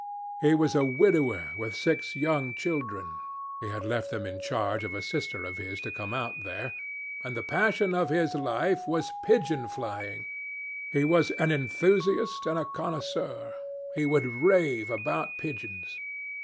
He was a widower with six young children (he had left them in charge of a sister of his to come out there), and the passion of his life was pigeon flying. He was an enthusiast and a connoisseur. He would rave about pigeons.